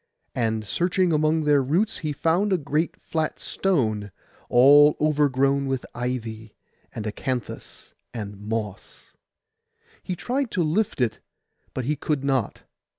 And searching among their roots he found a great flat stone, all overgrown with ivy, and acanthus, and moss. He tried to lift it, but he could not.